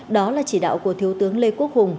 đó là chỉ đạo của thiếu tướng lê quốc hùng